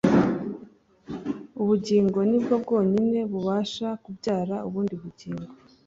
ubugingo nibwo bwonyine bubasha kubyara ubundi bugingo